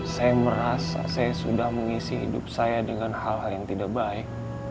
saya merasa saya sudah mengisi hidup saya dengan hal hal yang tidak baik